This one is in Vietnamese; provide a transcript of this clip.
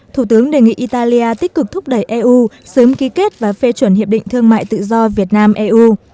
thủ tướng đề nghị italia tích cực thúc đẩy eu sớm ký kết và phê chuẩn hiệp định thương mại tự do việt nam eu